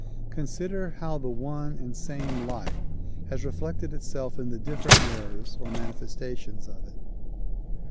Consider how the one and same light has reflected itself in the different mirrors or manifestations of it.